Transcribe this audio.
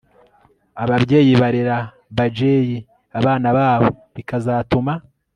ababyeyi barera bajeyi abana babo bikazatuma